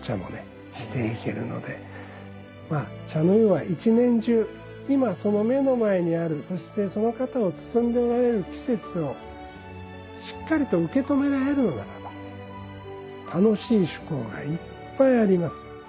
まあ茶の湯は一年中今その目の前にあるそしてその方を包んでおられる季節をしっかりと受け止められるのならば楽しい趣向がいっぱいあります。